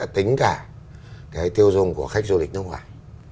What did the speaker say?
tính cả cái tiêu dùng của khách du lịch nước ngoài